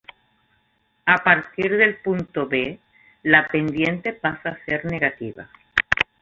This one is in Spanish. A partir del punto B, la pendiente pasa a ser negativa.